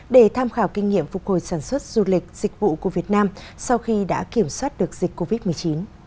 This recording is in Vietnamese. để tham khảo kinh nghiệm phục hồi sản xuất du lịch dịch vụ của việt nam sau khi đã kiểm soát được dịch covid một mươi chín